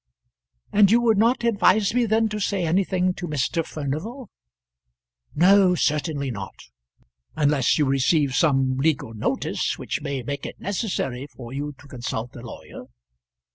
"And you would not advise me then to say anything to Mr. Furnival?" "No; certainly not unless you receive some legal notice which may make it necessary for you to consult a lawyer.